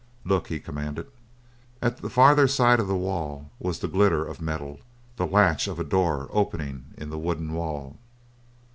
"Look!" he commanded. At the farther side of the wall was the glitter of metal the latch of a door opening in the wooden wall.